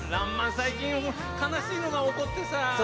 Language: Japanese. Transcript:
最近悲しいのが起こってさ。